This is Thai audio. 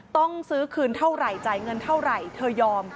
ต้องซื้อคืนเท่าไหร่จ่ายเงินเท่าไหร่เธอยอม